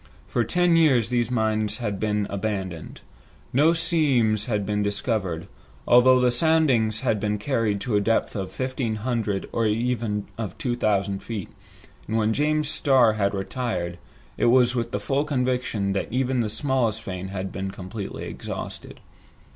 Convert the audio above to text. For ten years these mines had been abandoned. No new seams had been discovered, although the soundings had been carried to a depth of fifteen hundred or even of two thousand feet, and when James Starr had retired, it was with the full conviction that even the smallest vein had been completely exhausted.